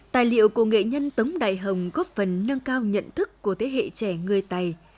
tài liệu của nghệ nhân tống đại hồng góp phần nâng cao nhận thức của thế hệ trẻ người tây